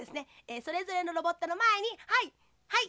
それぞれのロボットのまえにはいはい。